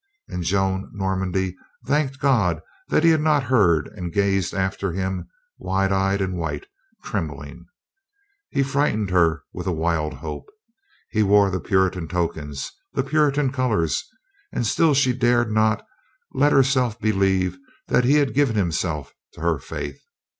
And Joan Normandy thanked God that he had not heard and gazed after him wide eyed and white, trembling. He frightened her with a wild hope. He wore the Puritan tokens, the Puritan colors; and still she dared not let herself believe that he had given himself to her faith.